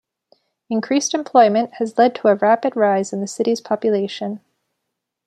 Increased employment has led to a rapid rise in the city's population.